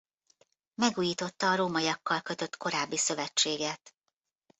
Megújította a rómaiakkal kötött korábbi szövetséget.